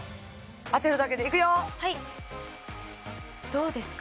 当てるだけでいくよーどうですか？